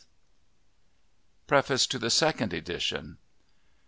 PREFACE TO THE SECOND EDITION.